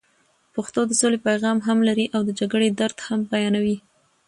پښتو د سولې پیغام هم لري او د جګړې درد هم بیانوي.